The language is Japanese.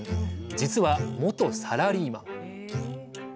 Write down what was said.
実は元サラリーマン。